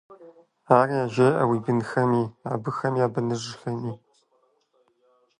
Ар яжеӀэ уи бынхэми, абыхэм я быныжхэми…